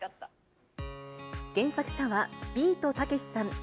原作者はビートたけしさん。